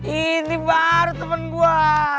ini baru temen gua